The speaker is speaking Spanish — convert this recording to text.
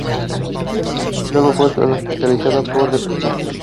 Luego fue hospitalizada por depresión.